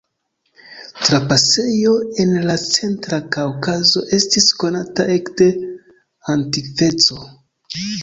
Trapasejo en la centra Kaŭkazo estis konata ekde antikveco.